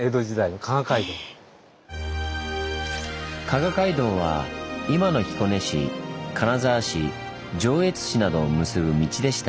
加賀街道は今の彦根市金沢市上越市などを結ぶ道でした。